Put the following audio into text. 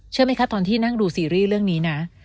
เชื่อไหมคะตอนที่นั่งดูซีรีส์เรื่องนี้นะ